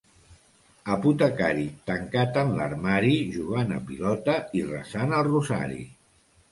Apotecari, tancat en l'armari, jugant a pilota i resant el rosari.